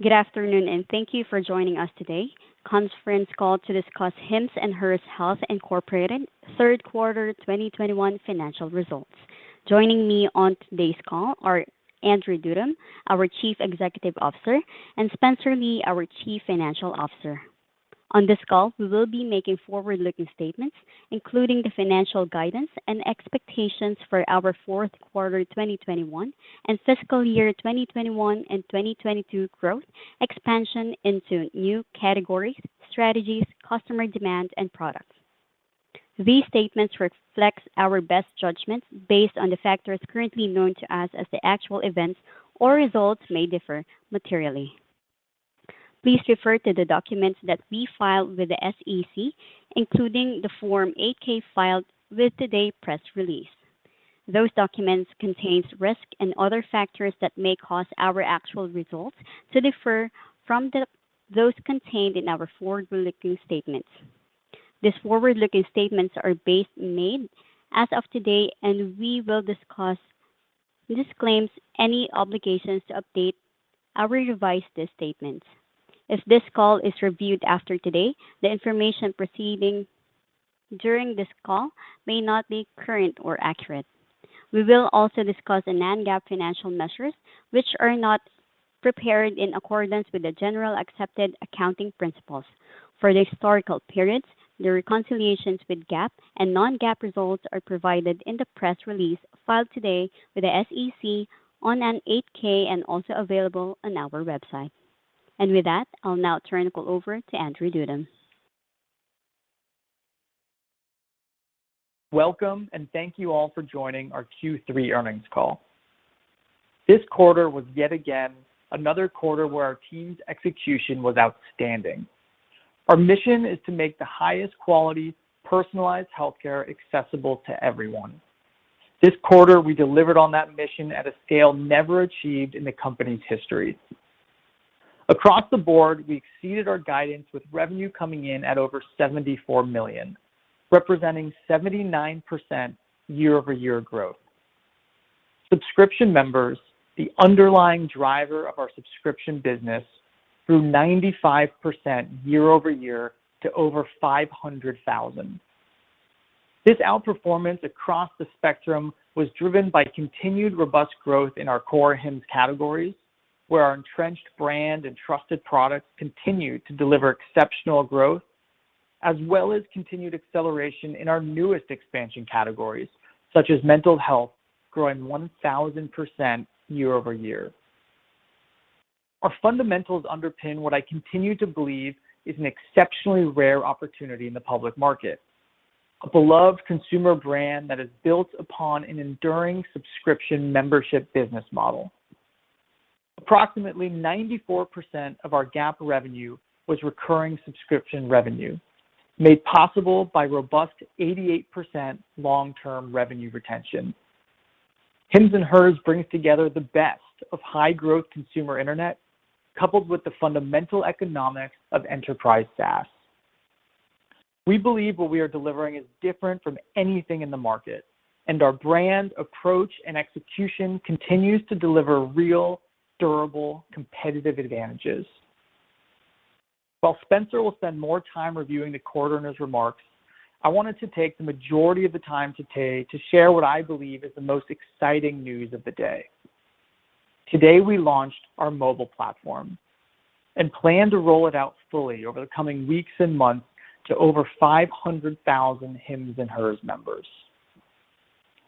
Good afternoon, and thank you for joining us today. Conference call to discuss Hims & Hers Health, Inc. third quarter 2021 financial results. Joining me on today's call are Andrew Dudum, our Chief Executive Officer, and Spencer Lee, our Chief Financial Officer. On this call, we will be making forward-looking statements, including the financial guidance and expectations for our fourth quarter 2021 and fiscal year 2021 and 2022 growth, expansion into new categories, strategies, customer demand, and products. These statements reflect our best judgments based on the factors currently known to us. As the actual events or results may differ materially. Please refer to the documents that we filed with the SEC, including the Form 8-K filed with today's press release. Those documents contain risks and other factors that may cause our actual results to differ from those contained in our forward-looking statements. These forward-looking statements are based and made as of today, and we disclaim any obligations to update or revise these statements. If this call is reviewed after today, the information provided during this call may not be current or accurate. We will also discuss non-GAAP financial measures which are not prepared in accordance with generally accepted accounting principles. For the historical periods, the reconciliations with GAAP and non-GAAP results are provided in the press release filed today with the SEC on an 8-K and also available on our website. With that, I'll now turn the call over to Andrew Dudum. Welcome, and thank you all for joining our Q3 earnings call. This quarter was yet again another quarter where our team's execution was outstanding. Our mission is to make the highest quality, personalized healthcare accessible to everyone. This quarter, we delivered on that mission at a scale never achieved in the company's history. Across the board, we exceeded our guidance with revenue coming in at over $74 million, representing 79% year-over-year growth. Subscription members, the underlying driver of our subscription business, grew 95% year-over-year to over 500,000. This outperformance across the spectrum was driven by continued robust growth in our core Hims categories, where our entrenched brand and trusted products continued to deliver exceptional growth, as well as continued acceleration in our newest expansion categories, such as mental health, growing 1,000% year-over-year. Our fundamentals underpin what I continue to believe is an exceptionally rare opportunity in the public market, a beloved consumer brand that is built upon an enduring subscription membership business model. Approximately 94% of our GAAP revenue was recurring subscription revenue, made possible by robust 88% long-term revenue retention. Hims & Hers brings together the best of high-growth consumer Internet, coupled with the fundamental economics of enterprise SaaS. We believe what we are delivering is different from anything in the market, and our brand, approach, and execution continues to deliver real, durable competitive advantages. While Spencer will spend more time reviewing the quarter in his remarks, I wanted to take the majority of the time today to share what I believe is the most exciting news of the day. Today, we launched our mobile platform and plan to roll it out fully over the coming weeks and months to over 500,000 Hims & Hers members.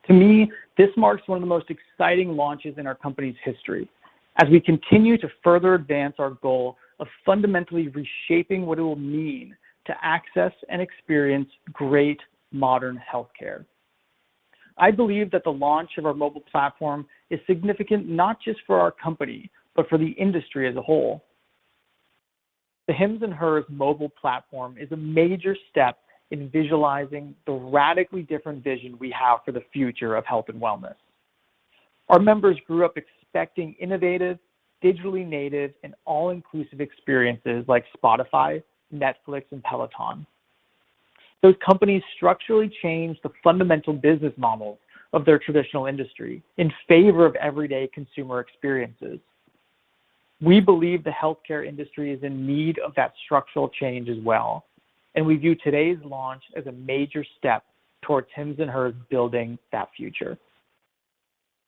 To me, this marks one of the most exciting launches in our company's history as we continue to further advance our goal of fundamentally reshaping what it will mean to access and experience great modern healthcare. I believe that the launch of our mobile platform is significant not just for our company, but for the industry as a whole. The Hims & Hers mobile platform is a major step in visualizing the radically different vision we have for the future of health and wellness. Our members grew up expecting innovative, digitally native, and all-inclusive experiences like Spotify, Netflix, and Peloton. Those companies structurally changed the fundamental business model of their traditional industry in favor of everyday consumer experiences. We believe the healthcare industry is in need of that structural change as well, and we view today's launch as a major step toward Hims & Hers building that future.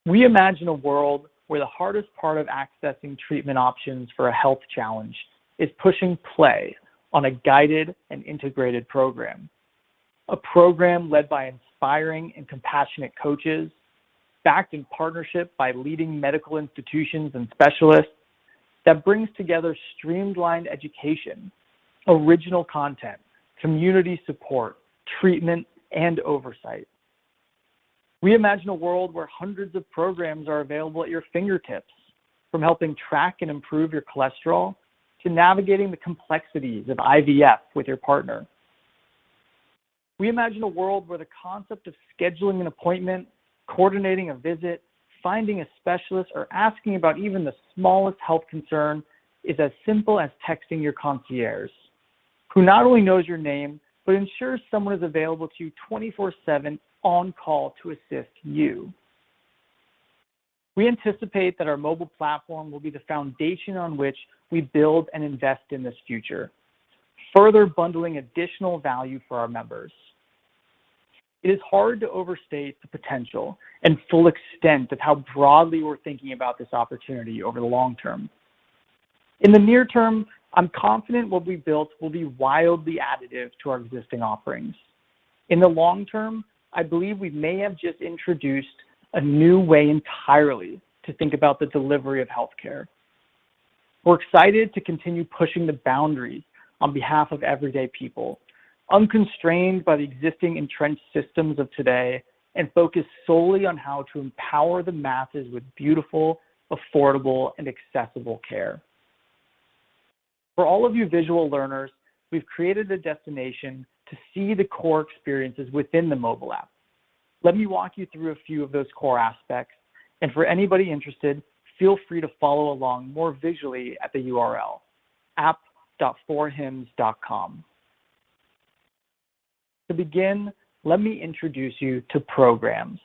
We imagine a world where the hardest part of accessing treatment options for a health challenge is pushing play on a guided and integrated program. A program led by inspiring and compassionate coaches, backed in partnership by leading medical institutions and specialists, that brings together streamlined education, original content, community support, treatment, and oversight. We imagine a world where hundreds of programs are available at your fingertips, from helping track and improve your cholesterol to navigating the complexities of IVF with your partner. We imagine a world where the concept of scheduling an appointment, coordinating a visit, finding a specialist, or asking about even the smallest health concern is as simple as texting your concierge. Who not only knows your name, but ensures someone is available to you 24/7 on call to assist you. We anticipate that our mobile platform will be the foundation on which we build and invest in this future, further bundling additional value for our members. It is hard to overstate the potential and full extent of how broadly we're thinking about this opportunity over the long term. In the near term, I'm confident what we built will be wildly additive to our existing offerings. In the long term, I believe we may have just introduced a new way entirely to think about the delivery of healthcare. We're excited to continue pushing the boundaries on behalf of everyday people, unconstrained by the existing entrenched systems of today, and focus solely on how to empower the masses with beautiful, affordable, and accessible care. For all of you visual learners, we've created a destination to see the core experiences within the mobile app. Let me walk you through a few of those core aspects, and for anybody interested, feel free to follow along more visually at the URL app.forhims.com. To begin, let me introduce you to Programs.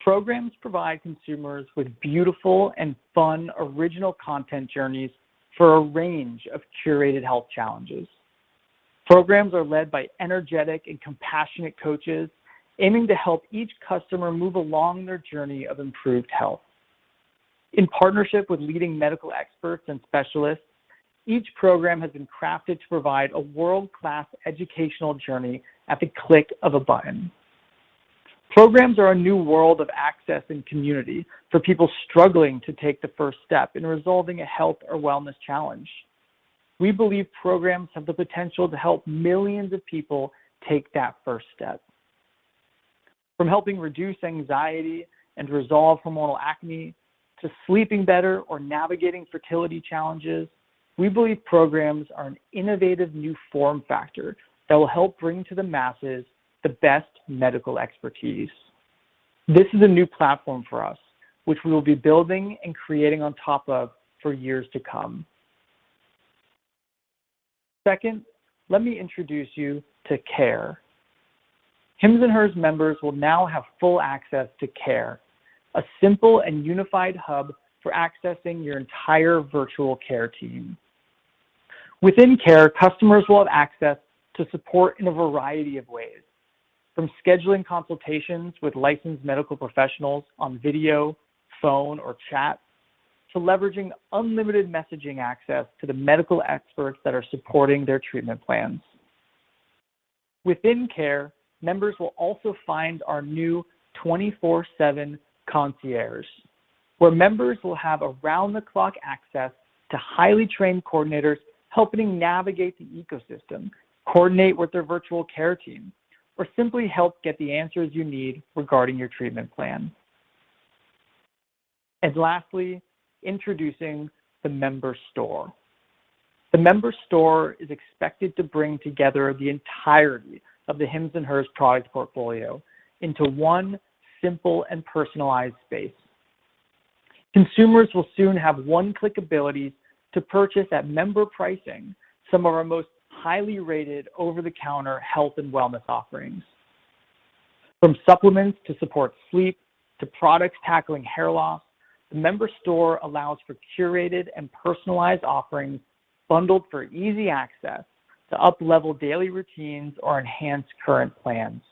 Programs provide consumers with beautiful and fun original content journeys for a range of curated health challenges. Programs are led by energetic and compassionate coaches aiming to help each customer move along their journey of improved health. In partnership with leading medical experts and specialists, each program has been crafted to provide a world-class educational journey at the click of a button. Programs are a new world of access and community for people struggling to take the first step in resolving a health or wellness challenge. We believe programs have the potential to help millions of people take that first step. From helping reduce anxiety and resolve hormonal acne to sleeping better or navigating fertility challenges, we believe programs are an innovative new form factor that will help bring to the masses the best medical expertise. This is a new platform for us, which we will be building and creating on top of for years to come. Second, let me introduce you to Care. Hims & Hers members will now have full access to Care, a simple and unified hub for accessing your entire virtual care team. Within Care, customers will have access to support in a variety of ways, from scheduling consultations with licensed medical professionals on video, phone, or chat, to leveraging unlimited messaging access to the medical experts that are supporting their treatment plans. Within Care, members will also find our new 24/7 concierges, where members will have around-the-clock access to highly trained coordinators helping navigate the ecosystem, coordinate with their virtual care team, or simply help get the answers you need regarding your treatment plan. Lastly, introducing the Member Store. The Member Store is expected to bring together the entirety of the Hims & Hers product portfolio into one simple and personalized space. Consumers will soon have one-click ability to purchase at member pricing some of our most highly rated over-the-counter health and wellness offerings. From supplements to support sleep to products tackling hair loss, the Member Store allows for curated and personalized offerings bundled for easy access to up-level daily routines or enhance current plans.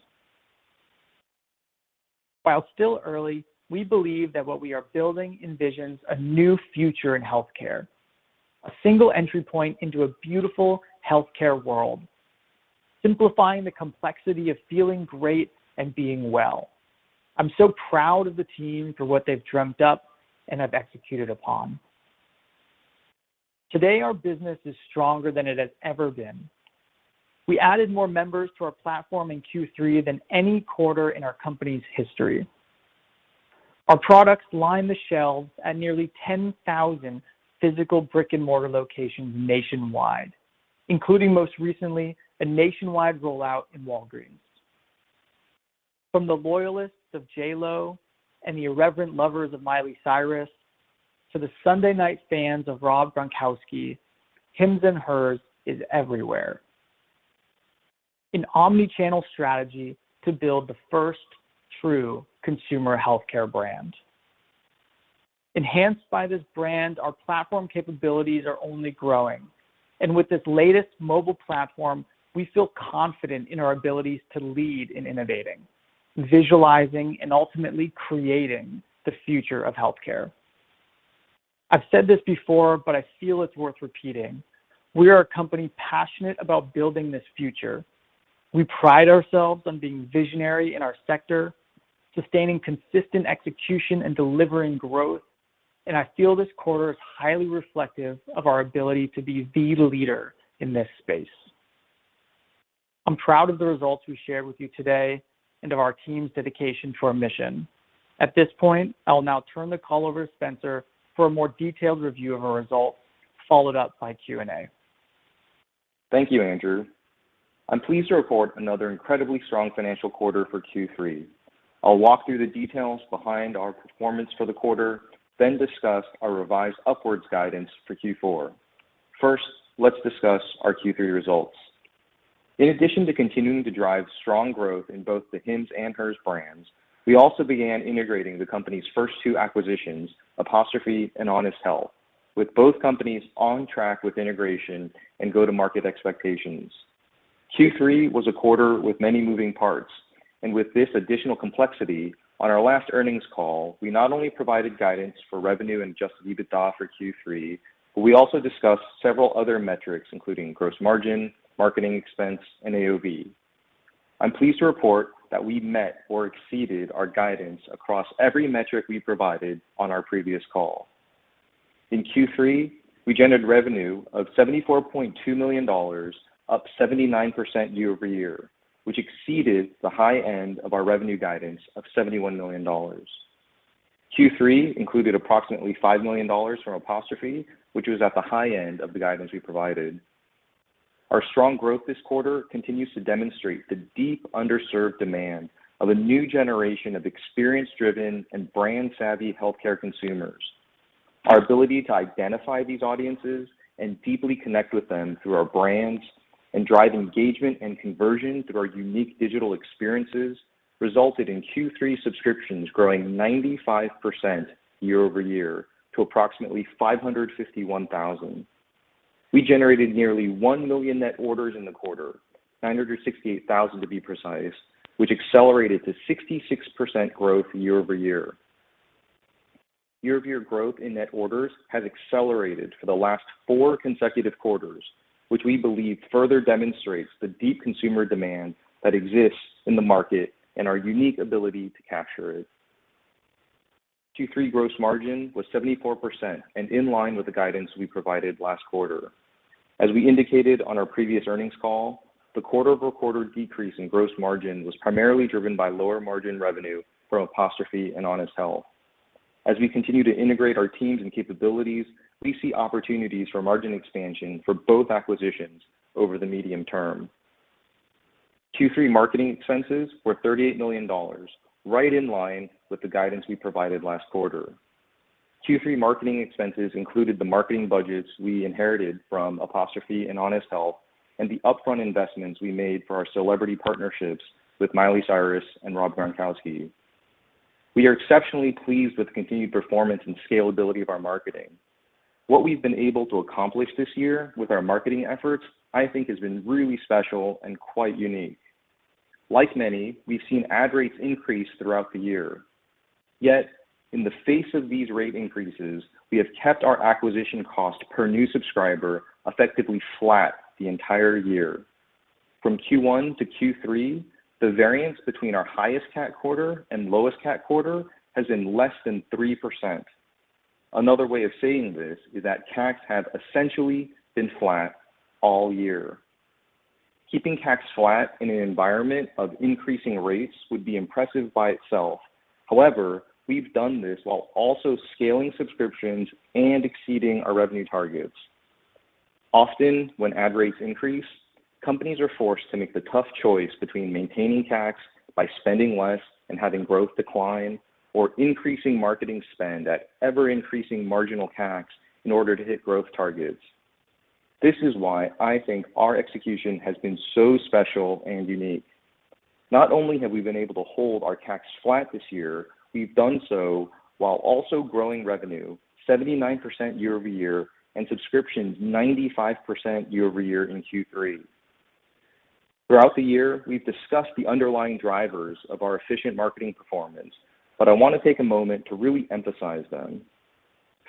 While still early, we believe that what we are building envisions a new future in healthcare, a single entry point into a beautiful healthcare world, simplifying the complexity of feeling great and being well. I'm so proud of the team for what they've dreamt up and have executed upon. Today, our business is stronger than it has ever been. We added more members to our platform in Q3 than any quarter in our company's history. Our products line the shelves at nearly 10,000 physical brick-and-mortar locations nationwide, including most recently a nationwide rollout in Walgreens. From the loyalists of J.Lo and the irreverent lovers of Miley Cyrus to the Sunday Night fans of Rob Gronkowski, Hims & Hers is everywhere. An omni-channel strategy to build the first true consumer healthcare brand. Enhanced by this brand, our platform capabilities are only growing, and with this latest mobile platform, we feel confident in our abilities to lead in innovating, visualizing, and ultimately creating the future of healthcare. I've said this before, but I feel it's worth repeating. We are a company passionate about building this future. We pride ourselves on being visionary in our sector, sustaining consistent execution, and delivering growth, and I feel this quarter is highly reflective of our ability to be the leader in this space. I'm proud of the results we shared with you today and of our team's dedication to our mission. At this point, I will now turn the call over to Spencer for a more detailed review of our results, followed up by Q&A. Thank you, Andrew. I'm pleased to report another incredibly strong financial quarter for Q3. I'll walk through the details behind our performance for the quarter, then discuss our revised upwards guidance for Q4. First, let's discuss our Q3 results. In addition to continuing to drive strong growth in both the Hims and Hers brands, we also began integrating the company's first two acquisitions, Apostrophe and Honest Health, with both companies on track with integration and go-to-market expectations. Q3 was a quarter with many moving parts. With this additional complexity, on our last earnings call, we not only provided guidance for revenue and adjusted EBITDA for Q3, but we also discussed several other metrics, including gross margin, marketing expense, and AOV. I'm pleased to report that we met or exceeded our guidance across every metric we provided on our previous call. In Q3, we generated revenue of $74.2 million, up 79% year-over-year, which exceeded the high end of our revenue guidance of $71 million. Q3 included approximately $5 million from Apostrophe, which was at the high end of the guidance we provided. Our strong growth this quarter continues to demonstrate the deep underserved demand of a new generation of experience-driven and brand-savvy healthcare consumers. Our ability to identify these audiences and deeply connect with them through our brands and drive engagement and conversion through our unique digital experiences resulted in Q3 subscriptions growing 95% year-over-year to approximately 551,000. We generated nearly 1 million net orders in the quarter, 968,000 to be precise, which accelerated to 66% growth year-over-year. Year-over-year growth in net orders has accelerated for the last four consecutive quarters, which we believe further demonstrates the deep consumer demand that exists in the market and our unique ability to capture it. Q3 gross margin was 74% and in line with the guidance we provided last quarter. As we indicated on our previous earnings call, the quarter-over-quarter decrease in gross margin was primarily driven by lower margin revenue from Apostrophe and Honest Health. As we continue to integrate our teams and capabilities, we see opportunities for margin expansion for both acquisitions over the medium term. Q3 marketing expenses were $38 million, right in line with the guidance we provided last quarter. Q3 marketing expenses included the marketing budgets we inherited from Apostrophe and Honest Health and the upfront investments we made for our celebrity partnerships with Miley Cyrus and Rob Gronkowski. We are exceptionally pleased with the continued performance and scalability of our marketing. What we've been able to accomplish this year with our marketing efforts, I think has been really special and quite unique. Like many, we've seen ad rates increase throughout the year. Yet, in the face of these rate increases, we have kept our acquisition cost per new subscriber effectively flat the entire year. From Q1 to Q3, the variance between our highest CAC quarter and lowest CAC quarter has been less than 3%. Another way of saying this is that CACs have essentially been flat all year. Keeping CACs flat in an environment of increasing rates would be impressive by itself. However, we've done this while also scaling subscriptions and exceeding our revenue targets. Often when ad rates increase, companies are forced to make the tough choice between maintaining CACs by spending less and having growth decline or increasing marketing spend at ever-increasing marginal CACs in order to hit growth targets. This is why I think our execution has been so special and unique. Not only have we been able to hold our CACs flat this year, we've done so while also growing revenue 79% year-over-year and subscriptions 95% year-over-year in Q3. Throughout the year, we've discussed the underlying drivers of our efficient marketing performance, but I want to take a moment to really emphasize them.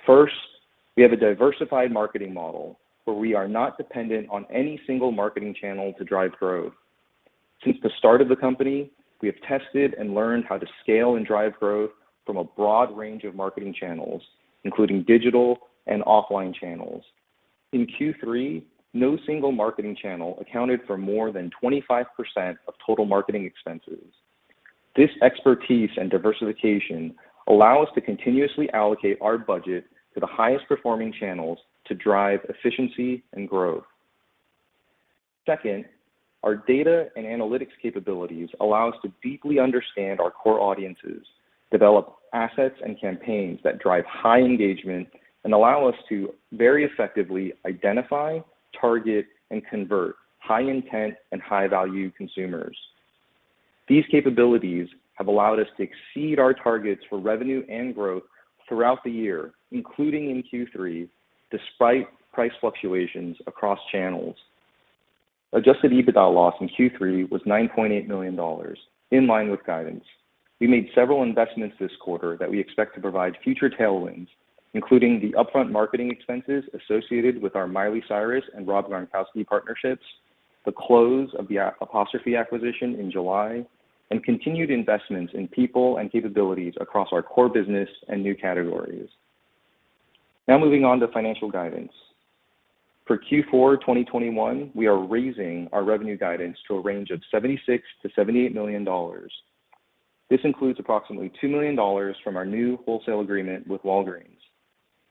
First, we have a diversified marketing model where we are not dependent on any single marketing channel to drive growth. Since the start of the company, we have tested and learned how to scale and drive growth from a broad range of marketing channels, including digital and offline channels. In Q3, no single marketing channel accounted for more than 25% of total marketing expenses. This expertise and diversification allow us to continuously allocate our budget to the highest performing channels to drive efficiency and growth. Second, our data and analytics capabilities allow us to deeply understand our core audiences, develop assets and campaigns that drive high engagement, and allow us to very effectively identify, target, and convert high-intent and high-value consumers. These capabilities have allowed us to exceed our targets for revenue and growth throughout the year, including in Q3, despite price fluctuations across channels. Adjusted EBITDA loss in Q3 was $9.8 million, in line with guidance. We made several investments this quarter that we expect to provide future tailwinds, including the upfront marketing expenses associated with our Miley Cyrus and Rob Gronkowski partnerships, the close of the Apostrophe acquisition in July, and continued investments in people and capabilities across our core business and new categories. Now moving on to financial guidance. For Q4 2021, we are raising our revenue guidance to a range of $76 million-$78 million. This includes approximately $2 million from our new wholesale agreement with Walgreens.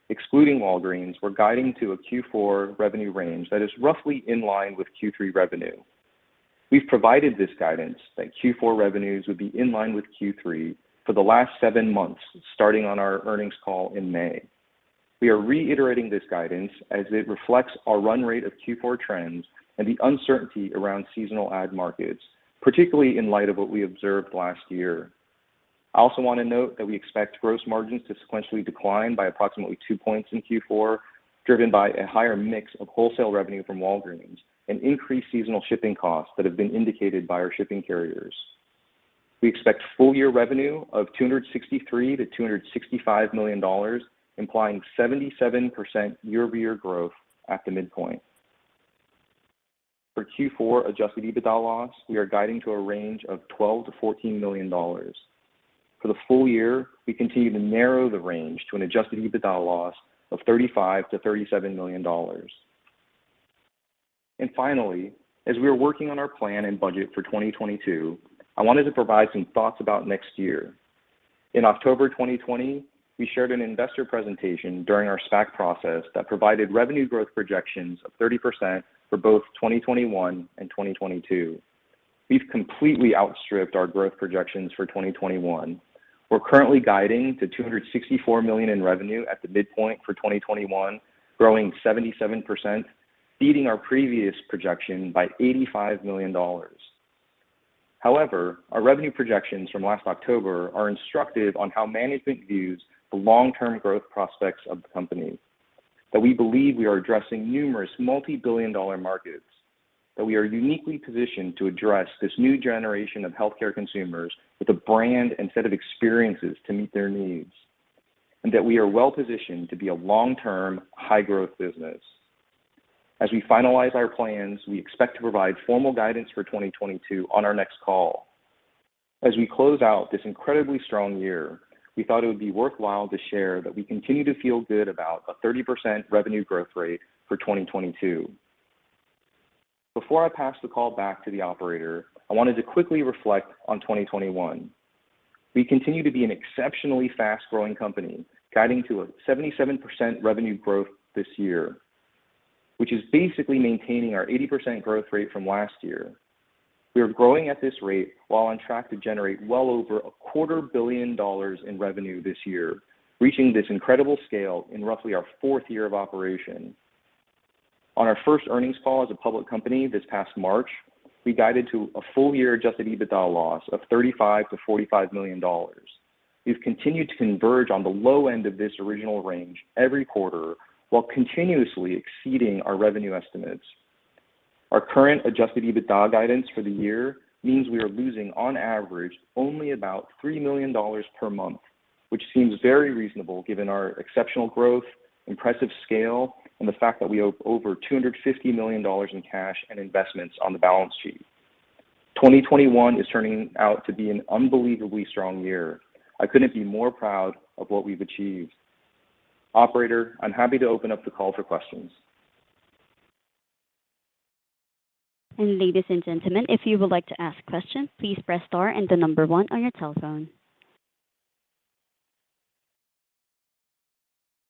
Excluding Walgreens, we're guiding to a Q4 revenue range that is roughly in line with Q3 revenue. We've provided this guidance that Q4 revenues would be in line with Q3 for the last seven months, starting on our earnings call in May. We are reiterating this guidance as it reflects our run rate of Q4 trends and the uncertainty around seasonal ad markets, particularly in light of what we observed last year. I also wanna note that we expect gross margins to sequentially decline by approximately two points in Q4, driven by a higher mix of wholesale revenue from Walgreens and increased seasonal shipping costs that have been indicated by our shipping carriers. We expect full-year revenue of $263 million-$265 million, implying 77% year-over-year growth at the midpoint. For Q4 adjusted EBITDA loss, we are guiding to a range of $12 million-$14 million. For the full year, we continue to narrow the range to an adjusted EBITDA loss of $35 million-$37 million. Finally, as we are working on our plan and budget for 2022, I wanted to provide some thoughts about next year. In October 2020, we shared an investor presentation during our SPAC process that provided revenue growth projections of 30% for both 2021 and 2022. We've completely outstripped our growth projections for 2021. We're currently guiding to $264 million in revenue at the midpoint for 2021, growing 77%, beating our previous projection by $85 million. However, our revenue projections from last October are instructive on how management views the long-term growth prospects of the company. We believe we are addressing numerous multi-billion-dollar markets, that we are uniquely positioned to address this new generation of healthcare consumers with a brand and set of experiences to meet their needs, and that we are well-positioned to be a long-term, high-growth business. As we finalize our plans, we expect to provide formal guidance for 2022 on our next call. As we close out this incredibly strong year, we thought it would be worthwhile to share that we continue to feel good about a 30% revenue growth rate for 2022. Before I pass the call back to the operator, I wanted to quickly reflect on 2021. We continue to be an exceptionally fast-growing company, guiding to a 77% revenue growth this year, which is basically maintaining our 80% growth rate from last year. We are growing at this rate while on track to generate well over a $ 0.25 Billion in revenue this year, reaching this incredible scale in roughly our fourth year of operation. On our first earnings call as a public company this past March, we guided to a full year adjusted EBITDA loss of $35 million-$45 million. We've continued to converge on the low end of this original range every quarter while continuously exceeding our revenue estimates. Our current adjusted EBITDA guidance for the year means we are losing, on average, only about $3 million per month, which seems very reasonable given our exceptional growth, impressive scale, and the fact that we own over $250 million in cash and investments on the balance sheet. 2021 is turning out to be an unbelievably strong year. I couldn't be more proud of what we've achieved. Operator, I'm happy to open up the call for questions. Ladies and gentlemen, if you would like to ask questions, please press star and the number one on your telephone.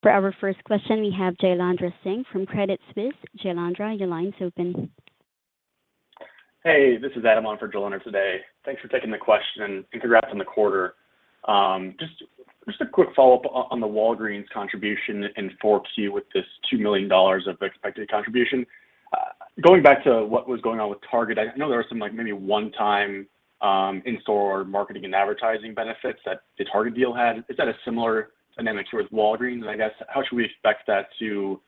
For our first question, we have Jailendra Singh from Credit Suisse. Jailendra, your line's open. Hey, this is Adam on for Jailendra today. Thanks for taking the question and congrats on the quarter. Just a quick follow-up on the Walgreens contribution in 4Q with this $2 million of expected contribution. Going back to what was going on with Target, I know there were some, like, maybe one-time in-store marketing and advertising benefits that the Target deal had. Is that a similar dynamic towards Walgreens, I guess? How should we expect that to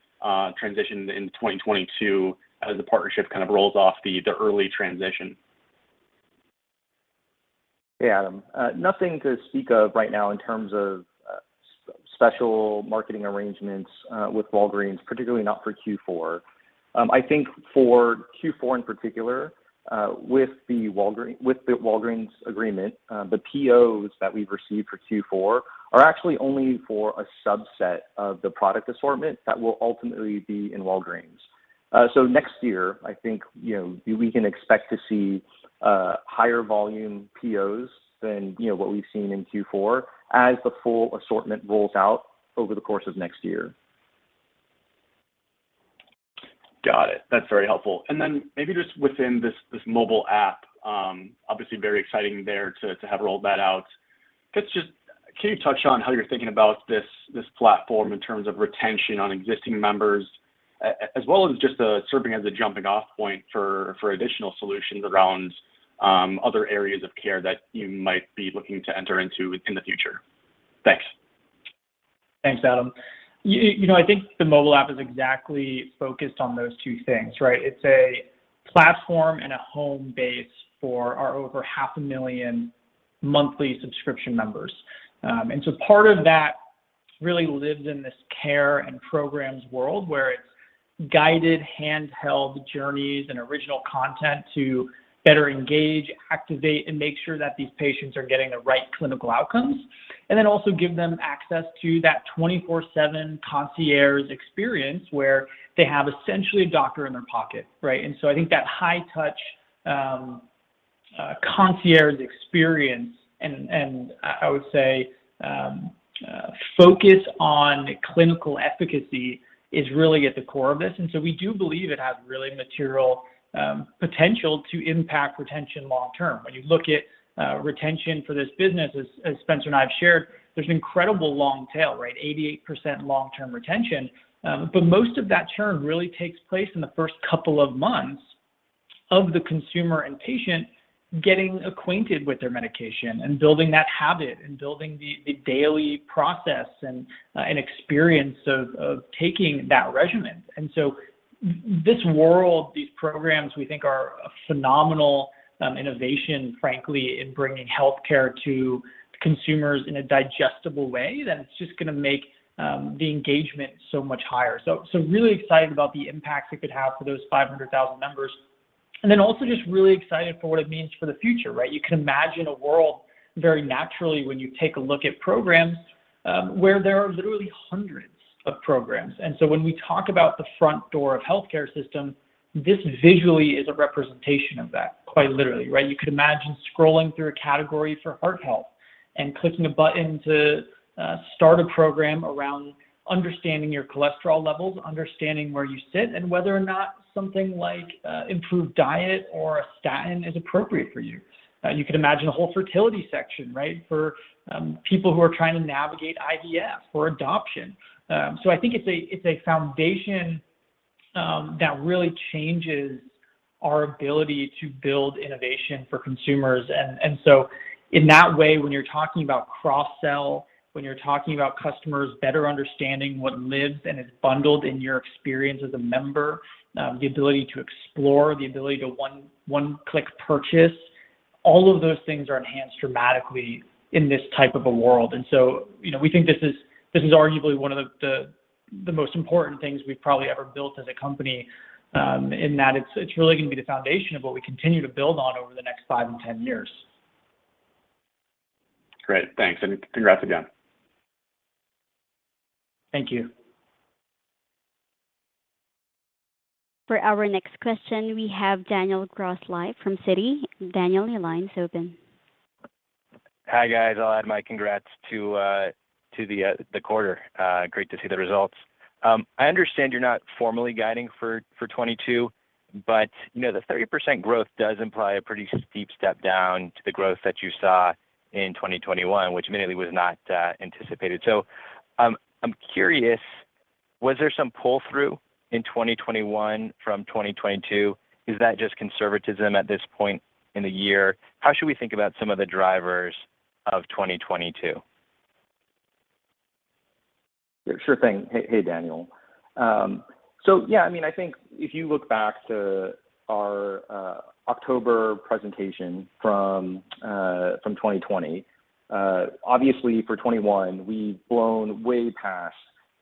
transition into 2022 as the partnership kind of rolls off the early transition? Yeah, Adam. Nothing to speak of right now in terms of special marketing arrangements with Walgreens, particularly not for Q4. I think for Q4 in particular, with the Walgreens agreement, the POs that we've received for Q4 are actually only for a subset of the product assortment that will ultimately be in Walgreens. Next year, I think, you know, we can expect to see higher volume POs than, you know, what we've seen in Q4 as the full assortment rolls out over the course of next year. Got it. That's very helpful. Maybe just within this mobile app, obviously very exciting there to have rolled that out. Can you touch on how you're thinking about this platform in terms of retention on existing members, as well as just serving as a jumping-off point for additional solutions around other areas of care that you might be looking to enter into in the future? Thanks. Thanks, Adam. You know, I think the mobile app is exactly focused on those two things, right? It's a platform and a home base for our over 500,000 monthly subscription members. Part of that really lives in this Care and Programs world, where it's guided, handheld journeys and original content to better engage, activate, and make sure that these patients are getting the right clinical outcomes. Give them access to that 24/7 concierge experience, where they have essentially a doctor in their pocket, right? I think that high touch, concierge experience and I would say, Focus on clinical efficacy is really at the core of this. We do believe it has really material potential to impact retention long-term. When you look at retention for this business, as Spencer and I have shared, there's incredible long tail, right? 88% long-term retention. Most of that churn really takes place in the first couple of months of the consumer and patient getting acquainted with their medication and building that habit and building the daily process and experience of taking that regimen. This world, these Programs, we think are a phenomenal innovation, frankly, in bringing healthcare to consumers in a digestible way, that it's just gonna make the engagement so much higher. Really excited about the impact it could have for those 500,000 members. Then also just really excited for what it means for the future, right? You can imagine a world very naturally when you take a look at programs, where there are literally hundreds of programs. When we talk about the front door of healthcare system, this visually is a representation of that, quite literally, right? You could imagine scrolling through a category for heart health and clicking a button to start a program around understanding your cholesterol levels, understanding where you sit, and whether or not something like improved diet or a statin is appropriate for you. You could imagine a whole fertility section, right, for people who are trying to navigate IVF or adoption. I think it's a foundation that really changes our ability to build innovation for consumers. In that way, when you're talking about cross-sell, when you're talking about customers better understanding what lives and is bundled in your experience as a member, the ability to explore, the ability to one-click purchase, all of those things are enhanced dramatically in this type of a world. You know, we think this is arguably one of the most important things we've probably ever built as a company, in that it's really gonna be the foundation of what we continue to build on over the next five and 10 years. Great. Thanks. Congrats again. Thank you. For our next question, we have Daniel Grosslight live from Citi. Daniel, your line is open. Hi, guys. I'll add my congrats to the quarter. Great to see the results. I understand you're not formally guiding for 2022, but you know, the 30% growth does imply a pretty steep step down to the growth that you saw in 2021, which admittedly was not anticipated. I'm curious, was there some pull-through in 2021 from 2022? Is that just conservatism at this point in the year? How should we think about some of the drivers of 2022? Sure thing. Hey, Daniel. So yeah, I mean, I think if you look back to our October presentation from 2020, obviously for 2021 we've blown way past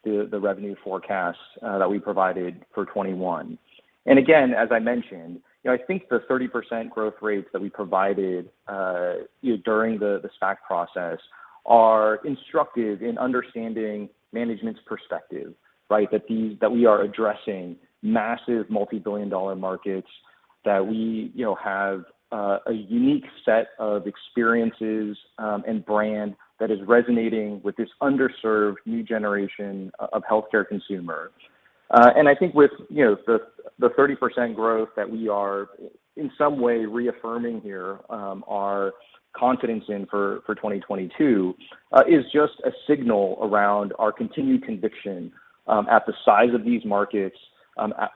the revenue forecast that we provided for 2021. Again, as I mentioned, you know, I think the 30% growth rates that we provided, you know, during the SPAC process are instructive in understanding management's perspective, right? That we are addressing massive multi-billion dollar markets. That we, you know, have a unique set of experiences and brand that is resonating with this underserved new generation of healthcare consumer. I think with, you know, the 30% growth that we are in some way reaffirming here, our confidence in for 2022 is just a signal around our continued conviction at the size of these markets,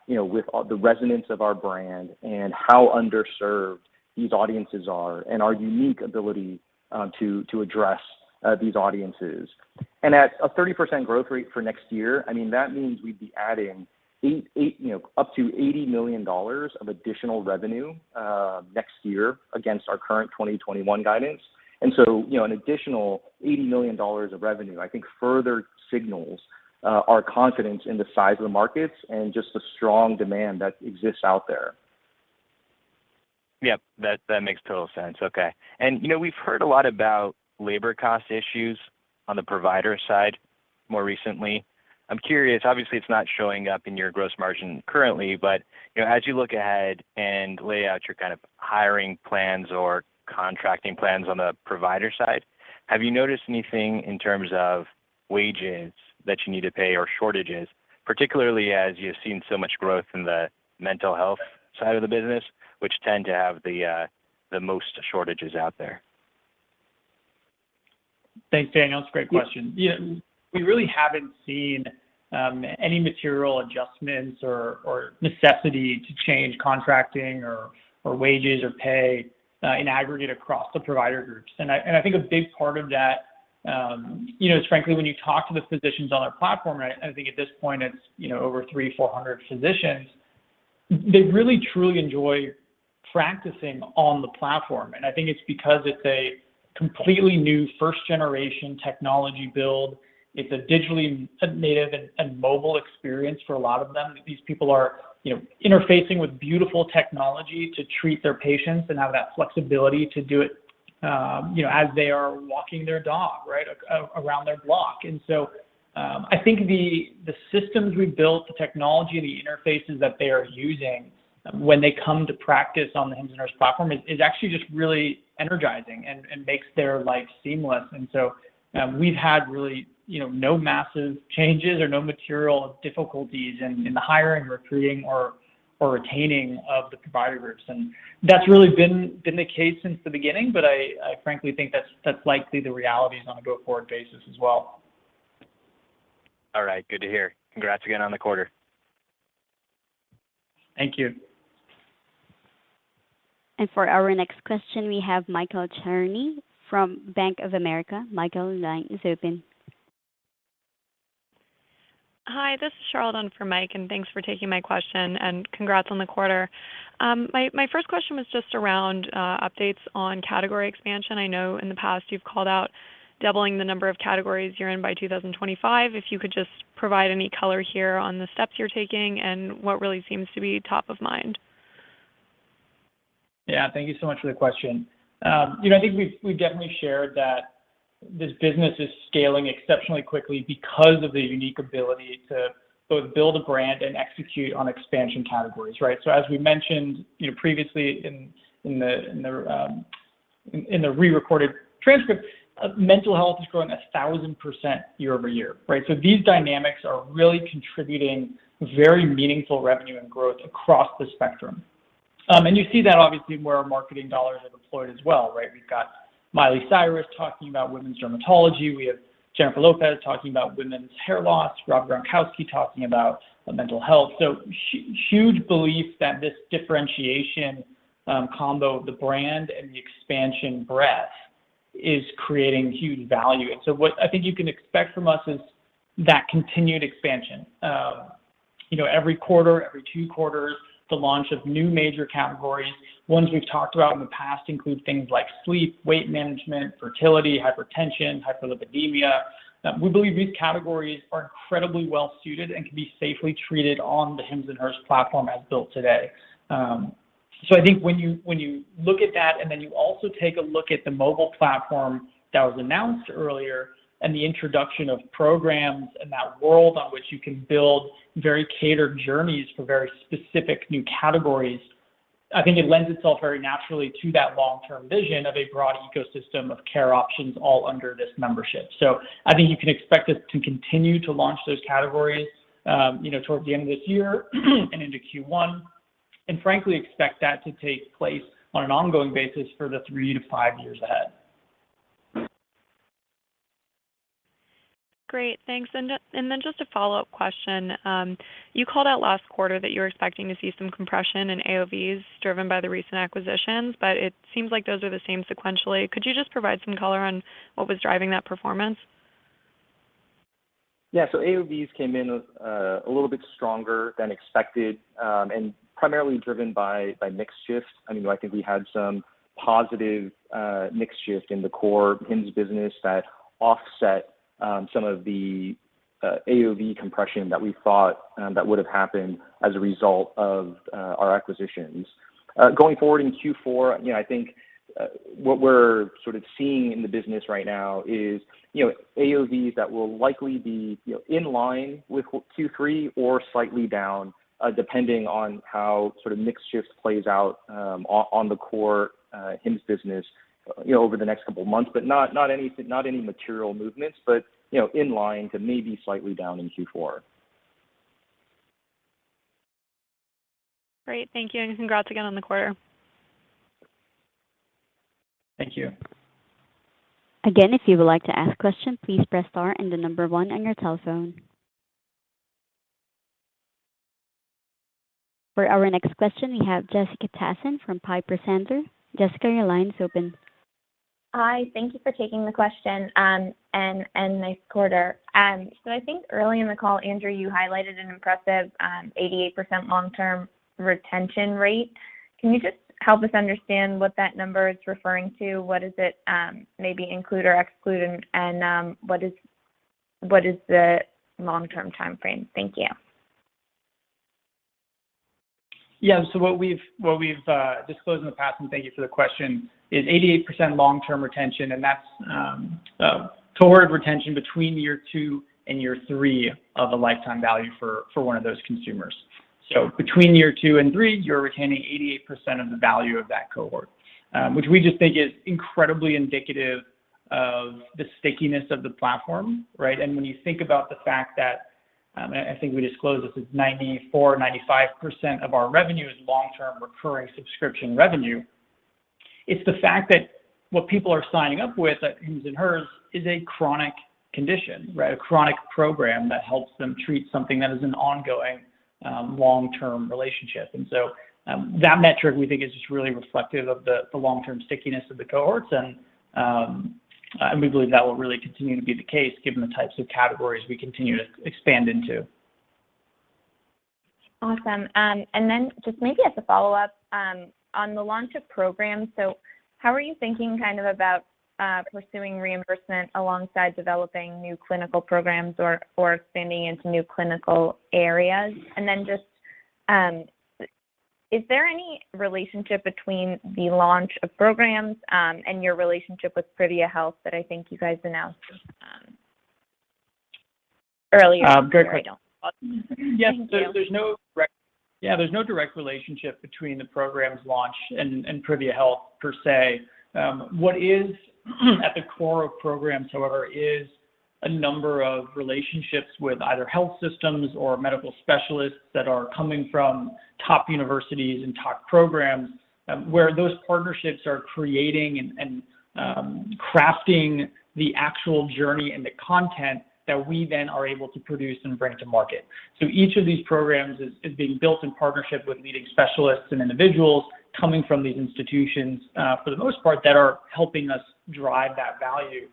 you know, with the resonance of our brand and how underserved these audiences are and our unique ability to address these audiences. At a 30% growth rate for next year, I mean, that means we'd be adding 80, you know, up to $80 million of additional revenue next year against our current 2021 guidance. You know, an additional $80 million of revenue, I think further signals our confidence in the size of the markets and just the strong demand that exists out there. Yep. That makes total sense. Okay. You know, we've heard a lot about labor cost issues on the provider side more recently. I'm curious, obviously it's not showing up in your gross margin currently, but, you know, as you look ahead and lay out your kind of hiring plans or contracting plans on the provider side, have you noticed anything in terms of wages that you need to pay or shortages, particularly as you've seen so much growth in the mental health side of the business, which tend to have the most shortages out there? Thanks, Daniel. That's a great question. Yeah, we really haven't seen any material adjustments or necessity to change contracting or wages or pay in aggregate across the provider groups. I think a big part of that is frankly when you talk to the physicians on our platform, right, I think at this point it's you know, over 300-400 physicians, they really truly enjoy practicing on the platform. I think it's because it's a completely new first generation technology build. It's a digitally native and mobile experience for a lot of them. These people are you know, interfacing with beautiful technology to treat their patients and have that flexibility to do it you know, as they are walking their dog, right, around their block. I think the systems we built, the technology, the interfaces that they are using when they come to practice on the Hims and Hers platform is actually just really energizing and makes their life seamless. We've had really, you know, no massive changes or no material difficulties in the hiring, recruiting, or retaining of the provider groups. That's really been the case since the beginning, but I frankly think that's likely the reality is on a go forward basis as well. All right, good to hear. Congrats again on the quarter. Thank you. For our next question, we have Michael Cherny from Bank of America. Michael, your line is open. Hi, this is Charlotte in for Mike, and thanks for taking my question and congrats on the quarter. My first question was just around updates on category expansion. I know in the past you've called out doubling the number of categories you're in by 2025. If you could just provide any color here on the steps you're taking and what really seems to be top of mind. Yeah. Thank you so much for the question. You know, I think we've definitely shared that this business is scaling exceptionally quickly because of the unique ability to both build a brand and execute on expansion categories, right? As we mentioned, you know, previously in the re-recorded transcript, mental health is growing 1000% year-over-year, right? These dynamics are really contributing very meaningful revenue and growth across the spectrum. You see that obviously where our marketing dollars have deployed as well, right? We've got Miley Cyrus talking about women's dermatology. We have Jennifer Lopez talking about women's hair loss, Rob Gronkowski talking about mental health. Huge belief that this differentiation, combo, the brand and the expansion breadth is creating huge value. What I think you can expect from us is that continued expansion. You know, every quarter, every two quarters, the launch of new major categories. Ones we've talked about in the past include things like sleep, weight management, fertility, hypertension, hyperlipidemia. We believe these categories are incredibly well suited and can be safely treated on the Hims & Hers platform as built today. I think when you look at that, and then you also take a look at the mobile platform that was announced earlier and the introduction of Programs in that world on which you can build very catered journeys for very specific new categories, I think it lends itself very naturally to that long-term vision of a broad ecosystem of care options all under this membership. I think you can expect us to continue to launch those categories, you know, towards the end of this year and into Q1. Frankly, expect that to take place on an ongoing basis for the three to five years ahead. Great. Thanks. Just a follow-up question. You called out last quarter that you're expecting to see some compression in AOVs driven by the recent acquisitions, but it seems like those are the same sequentially. Could you just provide some color on what was driving that performance? Yeah. AOVs came in a little bit stronger than expected, and primarily driven by mix shift. I mean, I think we had some positive mix shift in the core Hims business that offset some of the AOV compression that we thought that would've happened as a result of our acquisitions. Going forward in Q4, you know, I think what we're sort of seeing in the business right now is, you know, AOV that will likely be, you know, in line with Q3 or slightly down, depending on how sort of mix shift plays out on the core Hims business, you know, over the next couple of months. Not any material movements, but, you know, in line to maybe slightly down in Q4. Great. Thank you, and congrats again on the quarter. Thank you. Again, if you would like to ask a question, please press star and the number one on your telephone. For our next question, we have Jessica Tassan from Piper Sandler. Jessica, your line is open. Hi. Thank you for taking the question, and nice quarter. I think early in the call, Andrew, you highlighted an impressive 88% long-term retention rate. Can you just help us understand what that number is referring to? What does it maybe include or exclude and what is the long-term timeframe? Thank you. Yeah. What we've disclosed in the past, and thank you for the question, is 88% long-term retention, and that's cohort retention between year two and year three of a lifetime value for one of those consumers. Between year 2\two and year three, you're retaining 88% of the value of that cohort. Which we just think is incredibly indicative of the stickiness of the platform, right? When you think about the fact that, I think we disclosed this, is 94%-95% of our revenue is long-term recurring subscription revenue. It's the fact that what people are signing up with at Hims & Hers is a chronic condition, right? A chronic program that helps them treat something that is an ongoing, long-term relationship. That metric we think is just really reflective of the long-term stickiness of the cohorts and we believe that will really continue to be the case given the types of categories we continue to expand into. Awesome. Just maybe as a follow-up on the launch of Programs. How are you thinking kind of about pursuing reimbursement alongside developing new clinical Programs or expanding into new clinical areas? Just, is there any relationship between the launch of Programs and your relationship with Privia Health that I think you guys announced just earlier? Great question. Sorry, I don't. Yes. There's no direct relationship between the Programs launch and Privia Health per se. What is at the core of Programs, however, is a number of relationships with either health systems or medical specialists that are coming from top universities and top programs, where those partnerships are creating and crafting the actual journey and the content that we then are able to produce and bring to market. Each of these Programs is being built in partnership with leading specialists and individuals coming from these institutions, for the most part, that are helping us drive that value.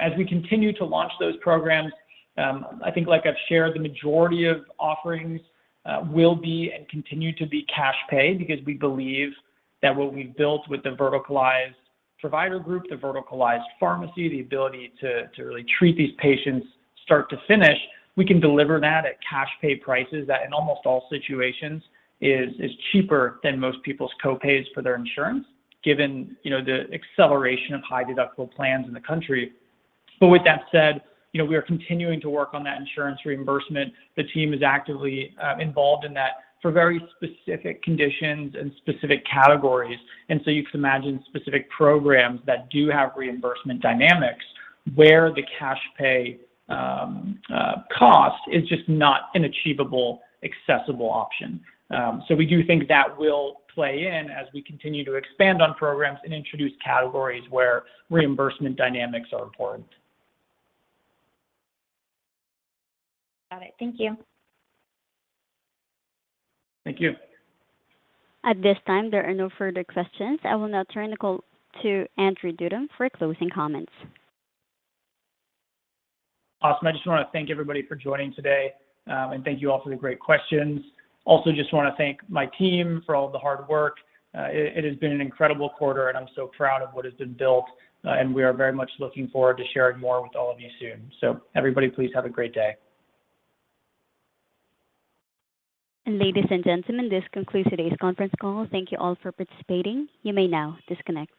As we continue to launch those Programs, I think like I've shared, the majority of offerings will be and continue to be cash paid because we believe that what we've built with the verticalized provider group, the verticalized pharmacy, the ability to really treat these patients start to finish, we can deliver that at cash pay prices that in almost all situations is cheaper than most people's co-pays for their insurance, given you know the acceleration of high deductible plans in the country. But with that said, you know, we are continuing to work on that insurance reimbursement. The team is actively involved in that for very specific conditions and specific categories. You can imagine specific programs that do have reimbursement dynamics where the cash pay cost is just not an achievable, accessible option. We do think that will play in as we continue to expand on programs and introduce categories where reimbursement dynamics are important. Got it. Thank you. Thank you. At this time, there are no further questions. I will now turn the call to Andrew Dudum for closing comments. Awesome. I just wanna thank everybody for joining today, and thank you all for the great questions. Also just wanna thank my team for all of the hard work. It has been an incredible quarter, and I'm so proud of what has been built, and we are very much looking forward to sharing more with all of you soon. Everybody please have a great day. Ladies and gentlemen, this concludes today's conference call. Thank you all for participating. You may now disconnect.